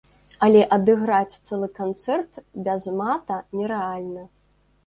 Але адыграць цэлы канцэрт без мата нерэальна.